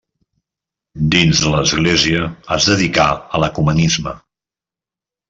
Dins de l'Església, es dedicà a l'ecumenisme.